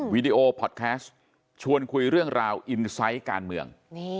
วีดีโอพอดแคสต์ชวนคุยเรื่องราวอินไซต์การเมือง